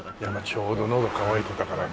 ちょうどのど渇いてたからね。